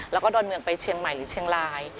แล้วก็ดอนเมืองไปเชียงใหม่หรือเชียงราย